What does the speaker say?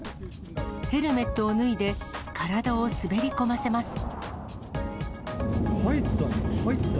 ヘルメットを脱いで、体を滑り込入った、入った！